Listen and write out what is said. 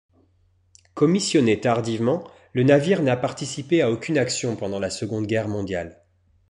Commissionné tardivement, le navire n'a participé à aucune action pendant la Seconde Guerre mondiale.